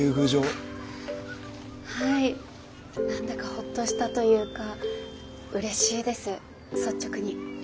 はい何だかほっとしたというかうれしいです率直に。